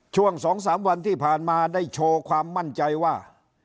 ช่วง๒๓วันที่ผ่านมาได้โชว์ความมั่นใจว่า